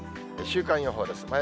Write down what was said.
週間予報です。